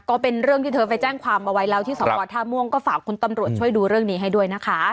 ก็เป็นเรื่องที่เธอไปแจ้งความเอาไว้แล้วที่สพท่าม่วงก็ฝากคุณตำรวจช่วยดูเรื่องนี้ให้ด้วยนะคะ